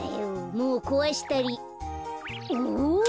もうこわしたり。